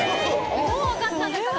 もう分かったんですか？